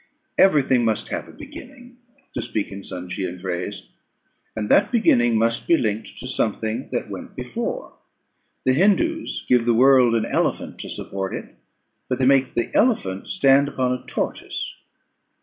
Every thing must have a beginning, to speak in Sanchean phrase; and that beginning must be linked to something that went before. The Hindoos give the world an elephant to support it, but they make the elephant stand upon a tortoise.